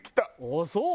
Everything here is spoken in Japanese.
ああそう？